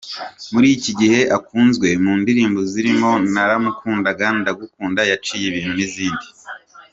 Muri iki gihe akunzwe mu ndirimbo zirimo ‘Naramukundaga’, ‘Ndagukunda’, ‘Yaciye ibintu’ n’izindi.